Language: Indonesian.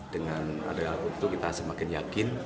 dengan ada alat bukti itu kita semakin yakin